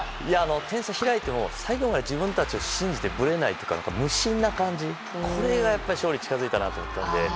点差開いても最後まで自分たちを信じてぶれないという無心な感じ、これが勝利に近づいたかなと思ってていて。